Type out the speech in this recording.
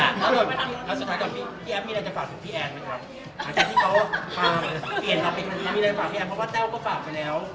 หากที่เขาเปลี่ยนท็อปมีอะไรจะฝากพี่แอมเพราะว่าเต้าก็ฝากไปแล้ว